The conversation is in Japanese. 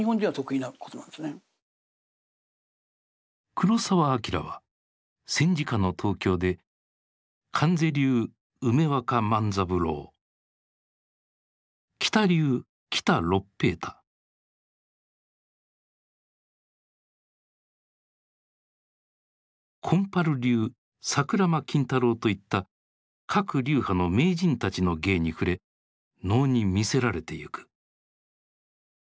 黒澤明は戦時下の東京でといった各流派の名人たちの芸に触れ能に魅せられてゆく。